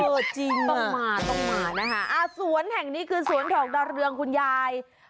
จริงต้องมาต้องมานะคะอ่าสวนแห่งนี้คือสวนดอกดาวเรืองคุณยาย